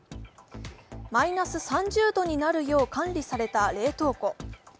マイナス３０度になるよう管理された冷凍庫。